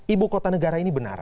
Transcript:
ibu kota negara ini benar